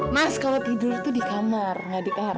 mas kalau tidur tuh di kamar gak di arah sih